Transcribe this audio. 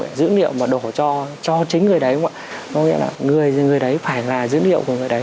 những cái dữ liệu mà đổ cho chính người đấy có nghĩa là người đấy phải là dữ liệu của người đấy